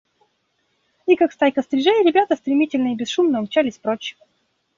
И, как стайка стрижей, ребята стремительно и бесшумно умчались прочь.